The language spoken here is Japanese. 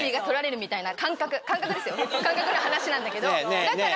感覚ですよ感覚の話なんだけどだから。